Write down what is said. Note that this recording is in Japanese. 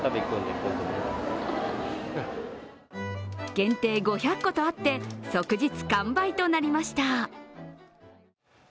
限定５００個とあって、即日完売となりました。